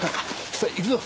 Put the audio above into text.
さあ行くぞ！